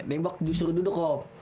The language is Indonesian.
nembak disuruh duduk kok